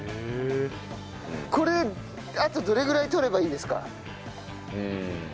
これあとどれぐらいとればいいですか？